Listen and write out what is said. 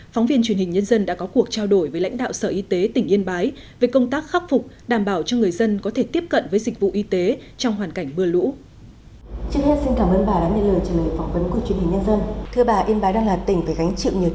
phóng viên truyền hình nhân dân đã có cuộc trao đổi với lãnh đạo sở y tế tỉnh yên bái về công tác khắc phục đảm bảo cho người dân có thể tiếp cận với dịch vụ y tế trong hoàn cảnh mưa lũ